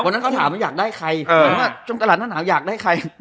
คนนั้นเขาถามจะได้ใคร